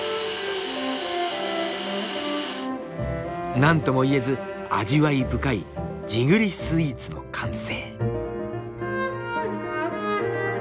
何ともいえず味わい深い地栗スイーツの完成。